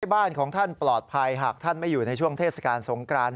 บ้านของท่านปลอดภัยหากท่านไม่อยู่ในช่วงเทศกาลสงกราน